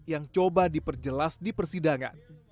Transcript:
yang coba diperjelas di persidangan